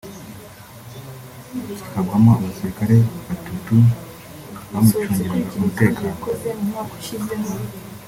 kikagwamo abasirikare batutu bamucungiraga umutekano